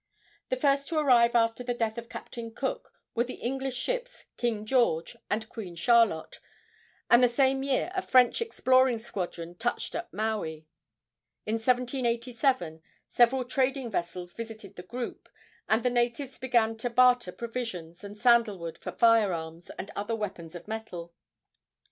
The first to arrive after the death of Captain Cook were the English ships King George and Queen Charlotte, and the same year a French exploring squadron touched at Maui. In 1787 several trading vessels visited the group, and the natives began to barter provisions and sandal wood for fire arms and other weapons of metal.